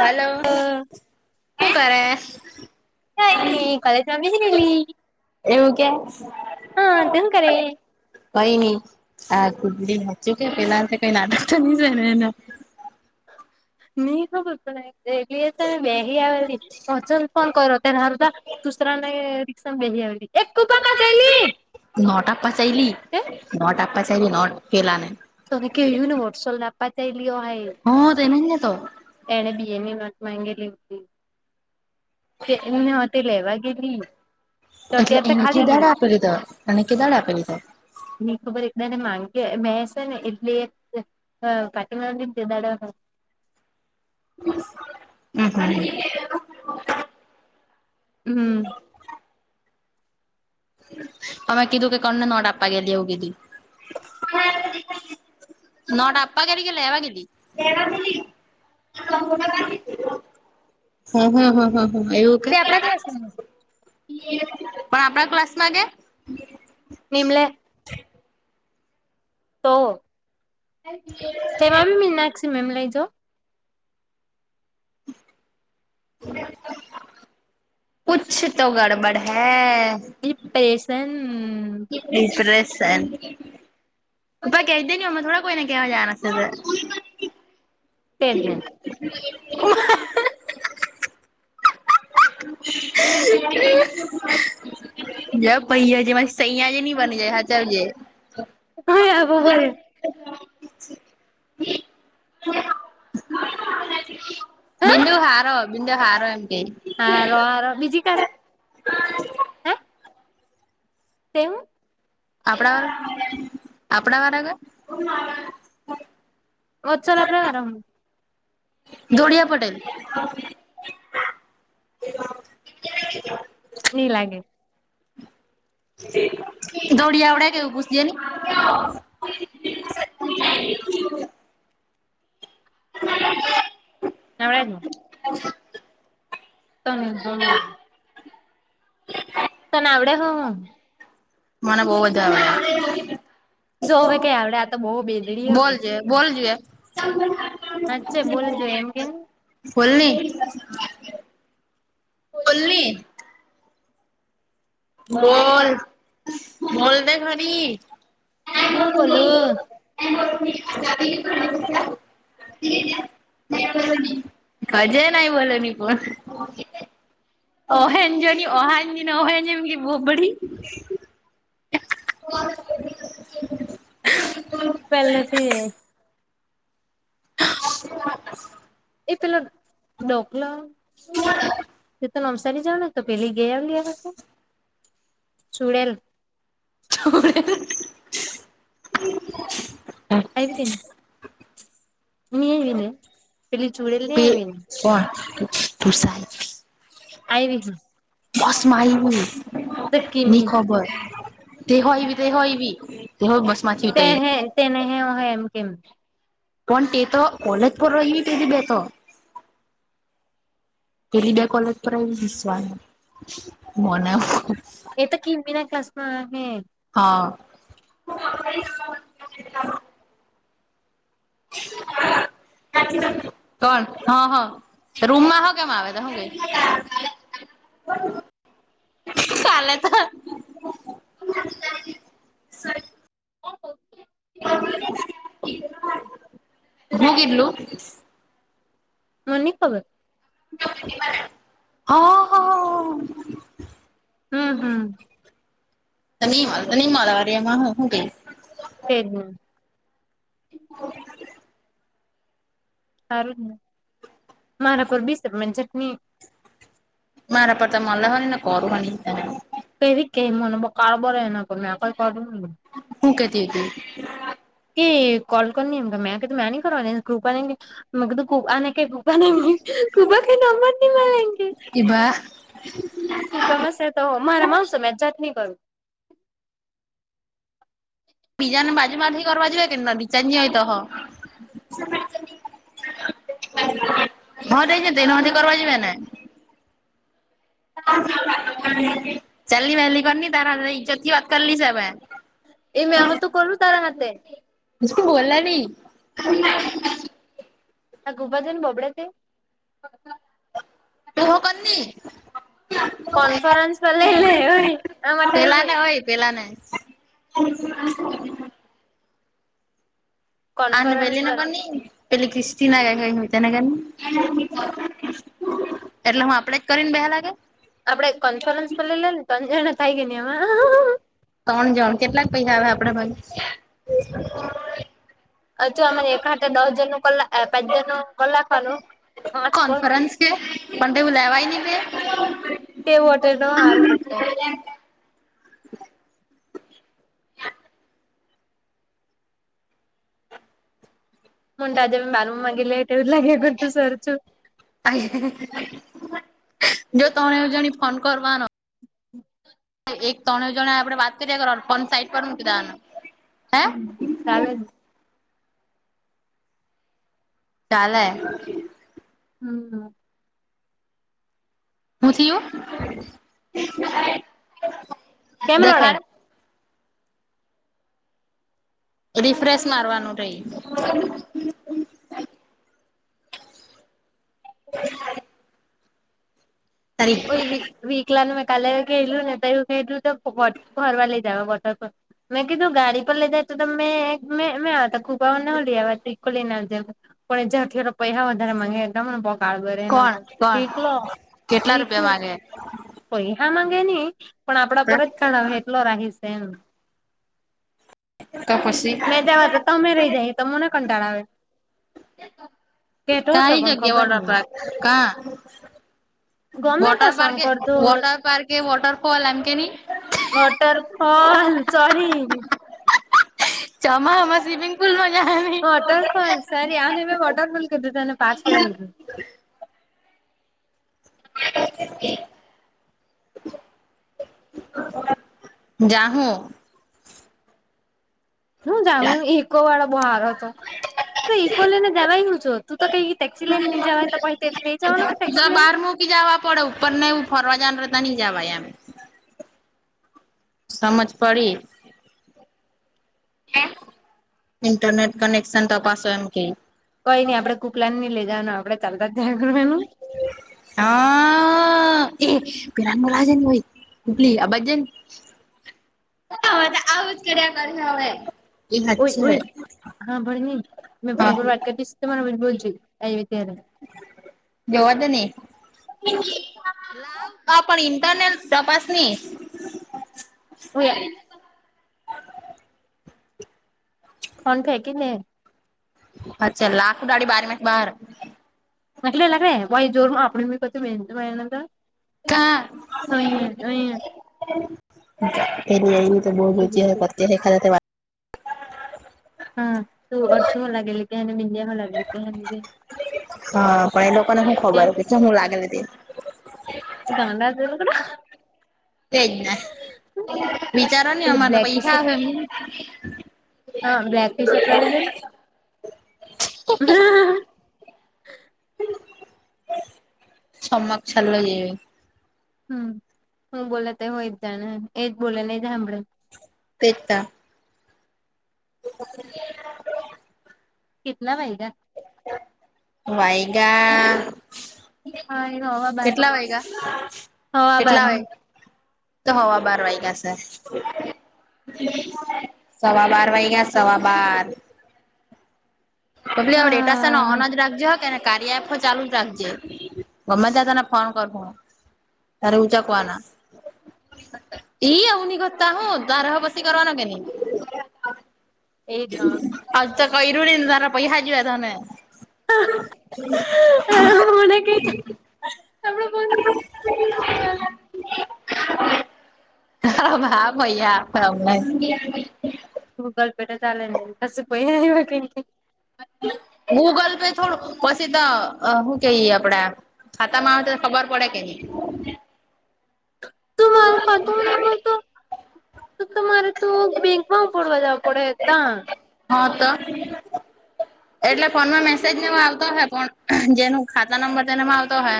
હાલો કઈ શું કરે. કાંઈ ની કલે જમેજ લલી. એવું કેમ. હા તે હુ કરે. કઈ નઈ આ કુદડી નાચુ કે પેલા કઈ નાટક તો નઈ છે એના. નહી ખબર પડે. એ બે આવેલી પછંદ [unintelligible] પણ કરો તનાધ દુસરાને, સબ સે હી આવેલી એ કુકો કા ચલી, નોટ આપવા ચાલી, નોટ આપવા ચાલી નોટ પેલા ને. તોને કેય્યું ને વોટસોલ ના પાચ લ્યો હોય. હ, તે નહી તો. એને બી એની નોટ માંગેલી હતી. એમને તે લેવા ગેલી. તો એટલે અત્યારે તો એને ખાલી કધાડ ગેલી આપે, લીધો, અને કધાડ આપે લીધો. એની ખબર એને માંગે મેસે ને એટલે. હ, કટમ દી દાડ હ. હમ, હા. હમ. તમે કીધું કે, કોણને નોટપ ગ્યા દેવું કીધી. નોટ અપાવા ગેલી કે, લેવા ગેલી? લેવા ગેલી. હા, હા, હા, હા, હા, એવું. કે તે આપડા ક્લાસમાં. પણ આપણા ક્લાસ માં કે? નિમ્લે. તો તેમાં બી મી નાક્ષક્ષી મે એમ લઈજો. [unintelligible] કુછ તો ગડબડ હૈ. પસન. એઇપ્રેસ. પા કહે દ ન ઉમ થોડા કોઈને કે જા તો. તેજ ને [unintelligible] એ. જ પૈયા, જે સૈયા જે નની બની જાય. હા, ચાલ જ. ક આવ બો હોલ. [unintelligible] બિંદુ હારો, બિંદુ હારો એમ કે. હ ર બીજી ક. [unintelligible] હ. હા. તેવું. આપણા વા આપણા વાળગ. વોત્સલ પ્ર વારા. જોડિયા પટેલ. [unintelligible] ની લાગે. દોડી આવડે કેવું પૂછે ને? હ. નાળ ન. હમ. તમે જો. હ. તને આવડે હો. મને બહુવ બધા આવ્યા. જો હવે કઈ આપડે તો બહુ બેદડી હવે. જે બોલ જોએ. અચ્ચે બોલજો એમ કેમ. બોલની બોલીએ. બોલ બોલ ને ખરી. હું બોલું એ. [inaudible] ખજે નહી બોલોની પણ. ઓહન જો ઓહાને ઓન જેમ બહ બડી. બ. [inaudible] પહેલે થી એ. હ. [inaudible] એ તે પેલા ડોકલાવો. તો નવસારી જાવ ને તો પેલી ગયા આવ લી આ ચુડેલ ચુડેલ, પા કે ની, [inaudible] નનીં આવી ને પેલી ચૂડેલ નહી આવી ને કોણ તું [unintelligible] સા, આઈવી તી, બસ માં આયવી, તો ની કિમી ખબર તે હોયવી તે હોયવી. તે હો બસ માંથી, તે હે તેને હ એમ કેમ. પણ તે તો કોલેજ પર રહી પી બેતો પેલી બે કોલેજ પર આવી હસવાનું મોને એ તો કિમી ના ક્લાસમાં અમે હા [unintelligible] કોણ હા હા, રૂમા હા ગયા આવે તો હો ગ, ચાલે તો હૂ કીધું ર્લું, [inaudible] મન ની ખબર, હા હ, હમ હમ, તો નિમા તો નિમા વારી એમાં હ હું કેશ. તે જ ને. હ, [inaudible] સારું મારે પર બીસ મન ચટણી, મારા પર તો મલ્લા હો ના કર હ ની, કવી કે મને બ કાર બરે એના કર મે કઈ કર, [inaudible] હું કેતી હતી. કે કોલ કરી ની એમ મે કધું મેની કરવાની ગ્રુપ [unintelligible] અનેધું અને મળે એમ કે ગ્રુપમાં કંઈ મને જે મળે ને એમ કે, એ ભા કૃપા મા સેટ હોવે મારા મોસે મા ચટની કરુ. બીજાને બાજુ માંથી કરવાર જોવે કેમ ના બીજાની હોય તોહો. હર દઈ તે નતી કરવા જોવેને. ચલ્લી વહેલી કર તાર હરે ઈજ્જત થી વાત કરલી સ હવે, એ મેં હો તો કરલું તારા હાથે. શું બોલે ની, ગુબા જોન બોબડે તે. તું હો કર ની. કોનફરેન્સ બ લલે હો, આ માટે આઈ ગેલી. પેહલા ને. [unintelligible] આને કોન્ફરન્સ બલી ના પર કોની. પેલી ક્રિસ્તી ના ગ કઈ હોય, તેને કરની. એટલે હું આપડે જ કરીને, બેહેલા લાગે. આપડે કોન્ફરન્સ પર લે ને, ત્રણ જણા થાય ગયા ને, એમાં. ત્રણ જણ કેટલાક પૈસા આવે, આપડા પાસે. એ જ તો. હું અમે એક હાથે દસ જણ નું, ક પાંચ જણ નું કરી લખવાનું. કોન્ફરન્સ કે, પણ તેવું લેવાય નહી કે‌. તેવુ હોર તો હારું પટેે. મું તાજા બ બારરૂમમાં ગે એટે એવ લાગે તું સર છું. [unintelligible] અ જો તમે જણી ફોન કર ને. હમ. એક ત્રણે જણે આપડે વાત કરીએ, કર સાઈડ પર ફોન મુકીદેવનો. હમ, ચાલે. ચાલે. હમ. હુથિયું. કેમ રડે? રિફ્રેશ મારવાનું રહી. હ. સોરી. કો વીકલાનું મેં કાલેેલું ને તોુ કીધું, તો ઘરવા લઈ જાવ, વોટરફોલ. મેં કીધું ગાડી પર લઈ જાય, તો તમે મેં મે મેં હતા ખુબ. ન લીલી ના પણ પૈસા વધારે મંગાવીને. કળ બર નતો કોણ કોણ વીકલો કેટલા રૂપિયા મામાંગે? પૈસા માંગે નહી, પણ આપડા ઘરે પરત આવે. લો રાહીશ, એમ કા પછી મે જવા તો તમે રહી જાય. તમને કંટાળ આવે. કેતો હતો કઈ પણ જગ્યા ખબર ઓડરપ નહી પાક? ગમે તો વટર સોંગ કરતો પાર્કે કે, વોટરફોલ એમ કે ની. Waterfall sorry. ચમા, હ માં સ્વિમિંગ પુલમાં જહેની. તને મે વોટરફોલ. કીધું, તને પાચ કેવા. [unintelligible] જા હું. હું જા ઈકો વાળો બહાર હતો. તો ઇકો લઈને જવાય, હું છો તું તો કઈ ટેક્સી લઈને નઈ જવાય તો, પછી લઈ જવાનું કે, ટેક્સી લઈને. હું કી જવા પડે, ઉપર ને, ફરવા જણ ર તો નની જવાય એમ. સમજ પડી. ઇન્ટરનેટ કનેક્શન ત પાસો એમ કે. કોઈ નઈ આપે, કુકલા નઈ લેવાનું આપે, ચાલતા જ્યાં. હા. હ એ પેલાલાજ ને ભયટલી આ બધજ [unintelligible] હવે તો આવું જ કર્યા કર હવે. એ ઓય, હાચે ઓય. હા, ભણ ન મે ફોન હા પર વાત કરીતી, તમારા બોલજો આવી ત્યારે. જોવા દ નહી, પણ ઇન્ટરનેલ તપાસની‌. હોય. ફન ફેંકીને? અચ્છા, લાખો દાઢડી બારીની બહાર. મ [unintelligible] અહીંયા એ એવી તો બ ચ [unintelligible] ખા [unintelligible] હમ. તું અર્જુન લાગેલી કે, મંદિયા? હ, લાગેલી કે કે હા પણ એ લોકોને હું કે. ખબર હું લાગ લલે દ. ગાડા [unintelligible] તેજ ને. વિચારવા નની એટલે અમારે તો બ્લેક ટી શર્ટ પૈસા આવે એમ. હા, વેકેશન વાળી નઈ, હ. છમક છલ્લો જે. હમ, હું બોલે તો હોય જ, જાણે એજ બોલે ને, એજ સાંભળે. તે જ. હ. કેટલા વાગ્યા. વાગ્યા. હા એ હવા બાર કેટલા વાગ્યા? હવા બાર કેટલા વાગ્યા? તો હવા બાર વાઈગા સે. સવા બાર વાગ્યા, સવા બાર. બબલી ડેટા સન હા ઓન જ રાખ જો, હ કયારેક. કાર્ય એપ હો ચાલુ જ રાખજે, ગમે ત્યારે તને ફોન કરુ હુ. તારે ઊચક વાના. એઈ આવઉન કતા, હું તારહ પસી કરવા ન કે ન ઈ. એજ ન આજ તો કર્યું ની તારા પૈસા જોયે તને. હ, એવું મને કઈ આપડે ફોન એ. હ, હા, ભૈયા મને ગૂગલ પે તો ચાલે નઈ, પાસે પૈઈ. હા, આઇવા કે નઈ. ગૂગલ પે થોડું પછી તો શું કહીયએ આપડા. ખાતા મા આવે તો, ખબર પડે કે. તું મારો ખાતો નંબર હ. તો તો તમારે તો બેંકમાં ફોડવા જવા પડે, હે તા હા, તો. એટલે ફોનમાં મેસેજ ને, એવ આવતો અહે, પણ જેનું ખાતા નંબર તેનેમાં આવતો અહે.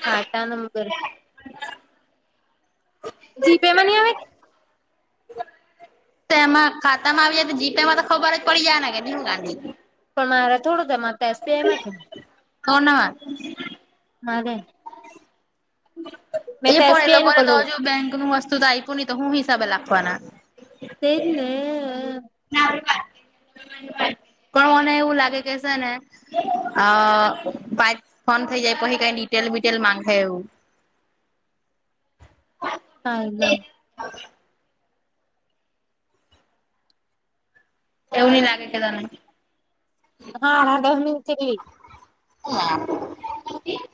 ખાતા નંબર. જીપેમાંની આવે. તેમાં ખાતા. તા મા આવી જાય તો, જીપે માં તો ખબર જ પડી જ હે ને કે, તુ ગાંડી પણ મારે થોડું તેમા એસ. બી. આઈ એમાં. કોણમાં? મારે. મેં એ તો પણ એ એસબીઆઈ નું લોકોને તો પેલું હજુ બેંક નું વસ્તુ તો આપ્યું નહી, તો હું હિસાબે લાખવાના. તે જ ને. પણ મને એવું લાગે કે છે ને. અ પાંચ ફોન થઇ જાય, પછી કઈ ડિટેલ બિટેલ માગ હે એવું. હા. એવું ની લાગે કે તને. હા, આરાધા મંતવી. હમ.